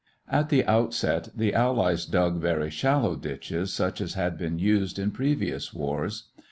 At the outset the Allies dug very shallow ditches, such as had been used in previous wars.